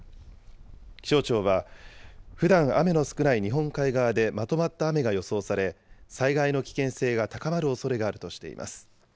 気象庁はふだん、雨の少ない日本海側でまとまった雨が予想され、災害の危険性が高まるおそれがあるとしています。